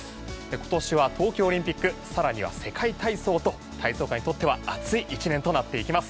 今年は東京オリンピック更には世界体操と体操界にとっては熱い１年となっていきます。